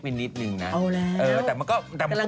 พี่ปุ้ยลูกโตแล้ว